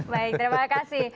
baik terima kasih